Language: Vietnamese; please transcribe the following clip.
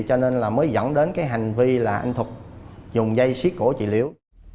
cho nên mới dẫn đến hành vi là anh thuật dùng dây xí cổ chị liễu